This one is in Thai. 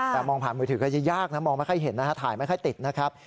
แต่มองผ่านมือถือก็จะยากนะมองไม่ค่อยเห็นนะฮะถ่ายไม่ค่อยติดนะครับ